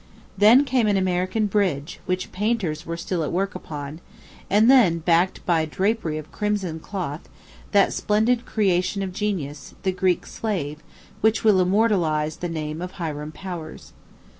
Then came an American bridge, which painters were still at work upon; and then, backed by drapery of crimson cloth, that splendid creation of genius, the Greek Slave, which will immortalize the name of Hiram Powers.